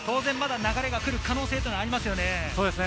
流れが来る可能性もありますよね。